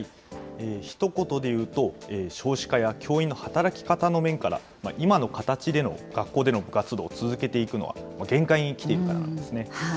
ひと言で言うと、少子化や教員の働き方の面から、今の形での学校での部活動を続けていくのは、限界にきているからなんですね。